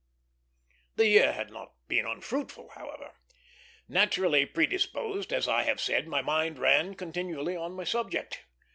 The year had not been unfruitful, however. Naturally predisposed, as I have said, my mind ran continually on my subject.